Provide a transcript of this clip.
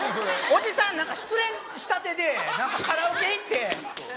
おじさん失恋したてでカラオケ行って。